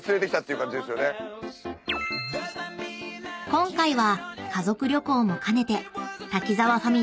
［今回は家族旅行も兼ねて滝沢ファミリーもロケに同行］